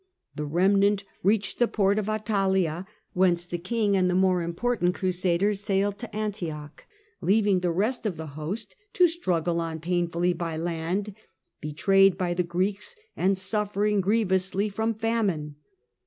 The remnant reached the port of Attalia, whence the King and the more important crusaders sailed to Antioch, leaving the rest of the host to struggle on painfully by land, betrayed by the Greeks and suffering grievously from famine.